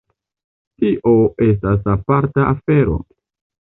Tio estas aparta afero.